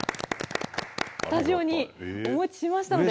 スタジオにお持ちしましたので。